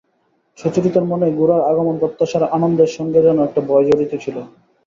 সুচরিতার মনে গোরার আগমন-প্রত্যাশার আনন্দের সঙ্গে যেন একটা ভয় জড়িত ছিল।